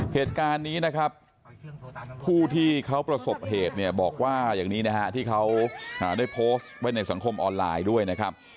เหตุการณ์นี้นะครับผู้ที่เขาประสบเหตุเนี่ยบอกว่าอย่างนี้นะฮะที่เขาได้โพสต์ไว้ในสังคมออนไลน์ด้วยนะครับ